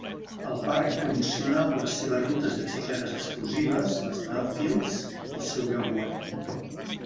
El parc promociona les seves rutes de bicicletes exclusives, les "Anthills", al seu lloc web.